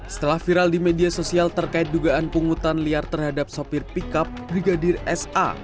setelah viral di media sosial terkait dugaan penghutan liar terhadap sopir pickup brigadir sa